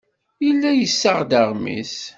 Yella yessaɣ-d aɣmis.